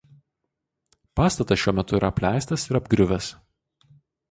Pastatas šiuo metu yra apleistas ir apgriuvęs.